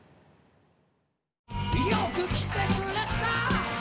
「よく来てくれた」